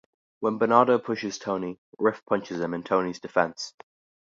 When Bernardo pushes Tony, Riff punches him in Tony's defense.